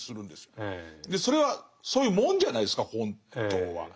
それはそういうもんじゃないですか本当は。